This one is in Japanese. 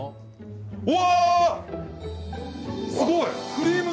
うわあ、すごい！